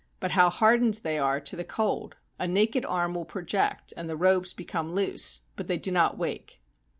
But how hardened they are to the cold: a naked arm will project and the robes become loose, but they do not wake.